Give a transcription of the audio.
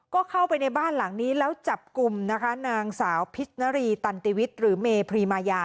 ก็เข้าไปในบ้านหลังนี้แล้วจับกลุ่มนะคะนางสาวพิษณรีตันติวิทย์หรือเมพรีมายา